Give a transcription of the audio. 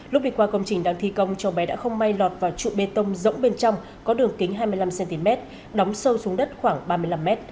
lúc đi qua công trình đang thi công cháu bé đã không may lọt vào trụ bê tông rỗng bên trong có đường kính hai mươi năm cm đóng sâu xuống đất khoảng ba mươi năm m